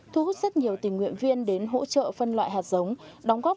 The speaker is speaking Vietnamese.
thu hút rất nhiều tình nguyện viên đến hỗ trợ phân loại hạt giống